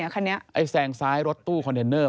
ก็แซงซ้ายรถตู้คอนเทนเนอร์